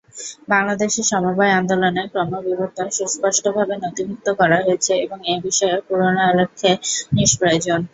বাংলাদেশে সমবায় আন্দোলনের ক্রমবিবর্তন সুস্পষ্টভাবে নথিভুক্ত করা হয়েছে এবং এ বিষয়ে পুরানাল্লেখ নিষ্প্রয়োজন।